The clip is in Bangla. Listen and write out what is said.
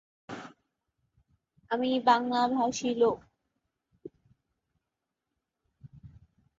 অন্যান্য সুন্নি স্কুলের প্রভাবের কারণে, উত্তর নাইজেরিয়া, যেমন মালিকি-অনুশীলন অঞ্চলে প্রধানত বিতর্ক বিদ্যমান।